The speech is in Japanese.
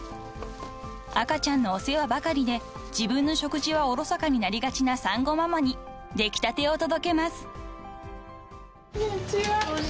［赤ちゃんのお世話ばかりで自分の食事はおろそかになりがちな産後ママに出来たてを届けます］